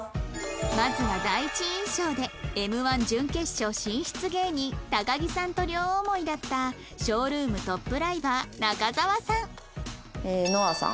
まずは第一印象で Ｍ−１ 準決勝進出芸人高木さんと両思いだった ＳＨＯＷＲＯＯＭ トップライバー仲沢さんのあさん。